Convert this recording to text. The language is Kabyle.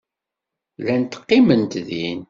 Llant qqiment din.